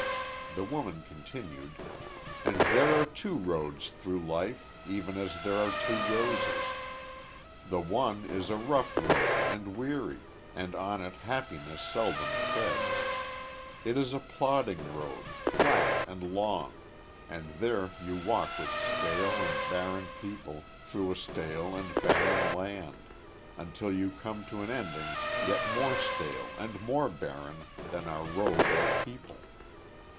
The Woman continued: "And there are two roads through life even as there are two roses. The one is a rough road and weary, and on it happiness seldom treads. It is a plodding road, flat and long; and there you walk with stale and barren people, through a stale and barren land, until you come to an ending yet more stale and more barren than are road or people.